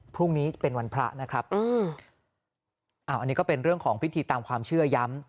พรุ่งนี้เป็นวันพระนะครับอันนี้ก็เป็นเรื่องของพิธีตามความเชื่อย้ำ